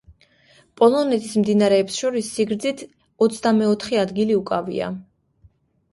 პოლონეთის მდინარეებს შორის სიგრძით ოცდამეოთხე ადგილი უკავია.